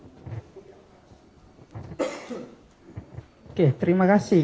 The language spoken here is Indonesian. oke terima kasih